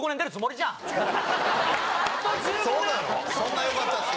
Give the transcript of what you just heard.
そんなよかったっすか？